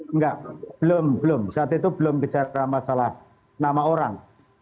enggak belum belum saat itu belum bisa terlambat salah nama orang